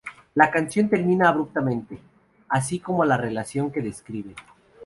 La canción termina abruptamente, así como la relación que describe.